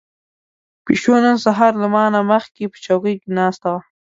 پيشو نن سهار له ما نه مخکې په چوکۍ ناسته وه.